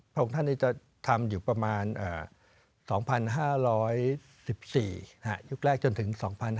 พระองค์ท่านนี้จะทำอยู่ประมาณ๒๕๑๔ยุคแรกจนถึง๒๕๕๙